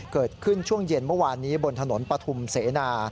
เกิดขึ้นช่วงเย็นเมื่อวานนี้บนถนนปฐุมเสนา